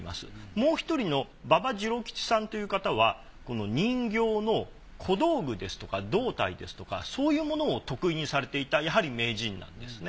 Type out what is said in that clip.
もう１人の馬場治郎吉さんという方は人形の小道具ですとか胴体ですとかそういうものを得意にされていたやはり名人なんですね。